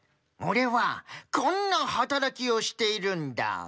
オレはこんな働きをしているんだ。